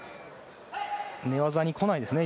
寝技にこないですね